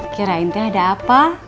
kirain tia ada apa